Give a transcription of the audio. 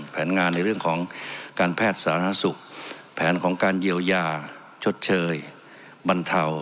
แผนงานในเรื่องของการแพทย์สาธารณสุขแผนของการเยียวยาชดเชยบรรเทา